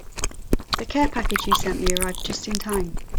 The care package you sent me arrived just in time.